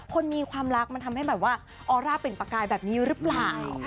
คนมีความรักมันทำให้แบบว่าออร่าเปล่งประกายแบบนี้หรือเปล่า